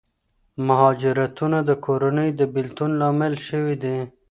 مهاجرتونه د کورنیو د بېلتون لامل شوي دي.